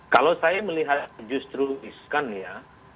kalau saya melihat justru iskan ya